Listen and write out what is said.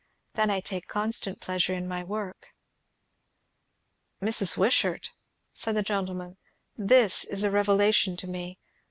Then I take constant pleasure in my work." "Mrs. Wishart," said the gentleman, "this is a revelation to me.